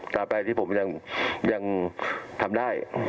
ต่อไปที่ผมยังทำได้